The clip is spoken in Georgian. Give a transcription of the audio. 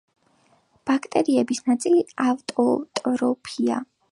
ბაქტერიების ნაწილი ავტოტროფია.